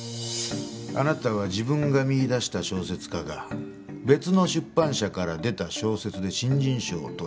あなたは自分が見いだした小説家が別の出版社から出た小説で新人賞をとり売れていった。